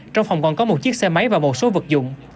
trong phòng còn có một chiếc xe máy và một số vật dụng